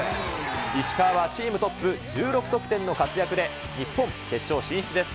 石川はチームトップ１６得点の活躍で、日本、決勝進出です。